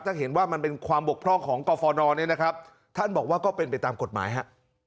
ถ้าเห็นว่ามันเป็นความบกพร่องของกรฟนเนี่ยนะครับท่านบอกว่าก็เป็นไปตามกฎหมายฮะ